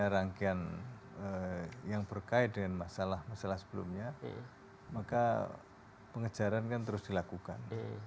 rangkaian yang berkait dengan masalah masalah sebelumnya maka pengejaran kan terus dilakukan